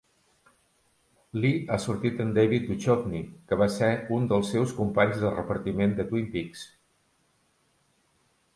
Lee ha sortit amb David Duchovny, que va ser un dels seus companys de repartiment de "Twin Peaks".